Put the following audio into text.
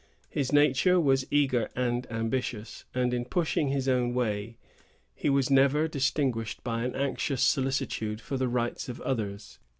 His nature was eager and ambitious; and in pushing his own way, he was never distinguished by an anxious solicitude for the rights of others.